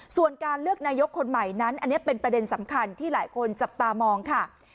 ส่วนการเลือกนายกคนใหม่นั้นอันนี้เป็นประเด็นสำคัญที่หลายคนจับตามองค่ะ